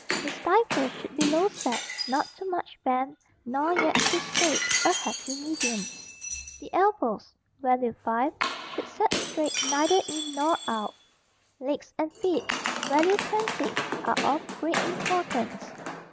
The stifle should be low set, not too much bent, nor yet too straight, a happy medium. The elbows (value 5) should set straight, neither in nor out. Legs and feet (value 20) are of great importance.